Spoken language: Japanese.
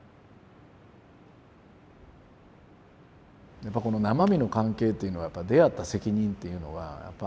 やっぱこの生身の関係というのは出会った責任っていうのはやっぱあるんですよね。